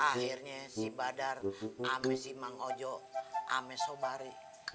akhirnya si badar ame si mang ojo ame sobari